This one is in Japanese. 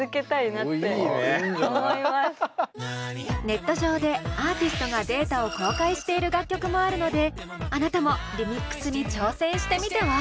ネット上でアーティストがデータを公開している楽曲もあるのであなたもリミックスに挑戦してみては？